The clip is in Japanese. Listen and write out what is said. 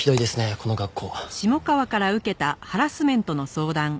この学校。